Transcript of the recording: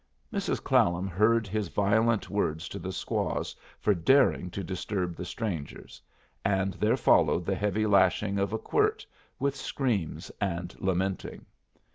Mrs. Clallam heard his violent words to the squaws for daring to disturb the strangers, and there followed the heavy lashing of a quirt, with screams and lamenting.